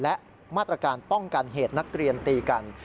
และมาตรการป้องกันเหตุนักเรียนตีกัน